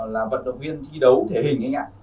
là vận động viên thi đấu thể hình anh nhé